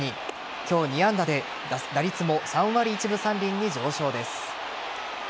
今日２安打で打率も３割１分３厘に上昇です。